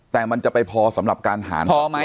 แต่มันจะไปพอสำหรับการหารส่วนสูตรร้อยมั้ย